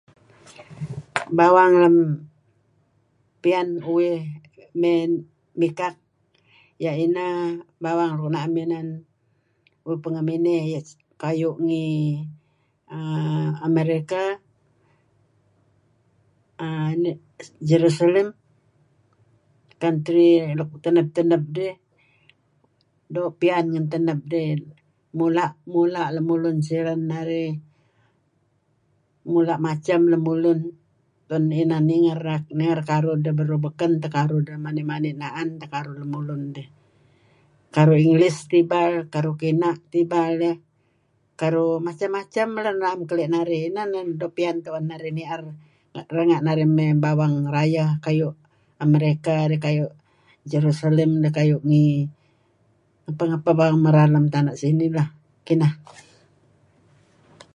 Bawang lem piyan uih mey mikak iyeh neh bawang nuk na'em inan uih pengeh miney kayu' ngi err America err Jerusalem, country nuk teneb-teneb dih. Doo' piyan ngen teneb dih. Mula' mula' lemulun siren narih, mula' macam lemulun tu'en narih ninger karuh deh beruh. Beken teh karuh deh manid-manid na'an teh karuh lemulun dih. Karuh English teh ibal, karuh kina' teh ibal eh, karuh macam-macam lah nuk na'em keli' narih. kadi' inen nuk doo' piyan narih ni'er renga' narih mey ngi bawang rayeh kayu' America dih kayu' Jerusalem dih kayu' ngapeh-ngapeh bawang merar lem tana' sinih. Nah, kineh.